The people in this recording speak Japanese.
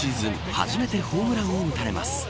初めてホームランを打たれます。